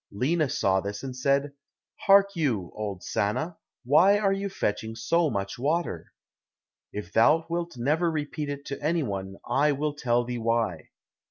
Lina saw this and said, "Hark you, old Sanna, why are you fetching so much water?" "If thou wilt never repeat it to anyone, I will tell thee why."